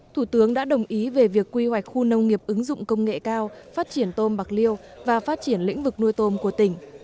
thủ tướng đã đồng ý về việc quy hoạch khu nông nghiệp ứng dụng công nghệ cao phát triển tôm bạc liêu và phát triển lĩnh vực nuôi tôm của tỉnh